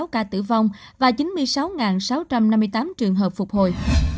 bốn sáu trăm ba mươi sáu ca tử vong và chín mươi sáu sáu trăm năm mươi tám trường hợp phục hồi